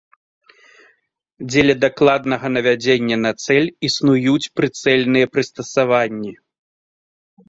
Дзеля дакладнага навядзення на цэль існуюць прыцэльныя прыстасаванні.